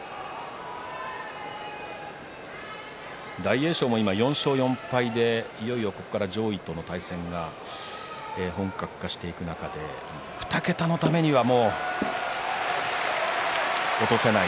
大栄翔も４勝４敗でいよいよここから上位との対戦が本格化していく中で２桁のためには落とせない。